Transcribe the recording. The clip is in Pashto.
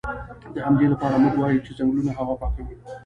د همدې لپاره موږ وایو چې ځنګلونه هوا پاکوي